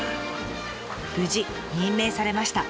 無事任命されました。